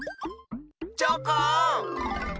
チョコン！